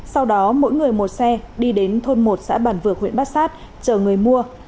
sau đó mỗi người một xe đi đến thôn một xã bản vược huyện bát sát chờ người mua